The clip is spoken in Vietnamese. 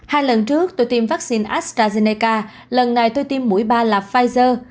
hai lần trước tôi tiêm vaccine astrazeneca lần này tôi tiêm mũi ba là pfizer